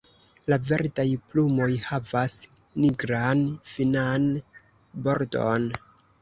La verdaj plumoj havas nigran finan bordon.